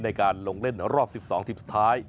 ในการลงเล่นรอบ๑๒ทีมสุดท้าย